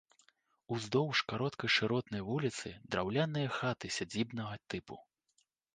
Уздоўж кароткай шыротнай вуліцы драўляныя хаты сядзібнага тыпу.